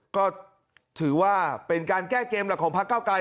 ก็ถือว่าเป็นการแก้เกมหลักของพักเก้าไกร